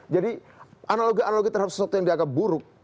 jadi analogi analogi terhadap sesuatu yang dianggap buruk